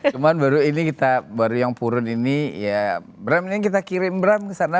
cuma baru ini kita baru yang purun ini ya bram ini kita kirim bram ke sana